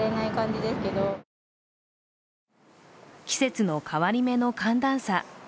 季節の変わり目の寒暖差。